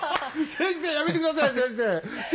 先生やめて下さい先生！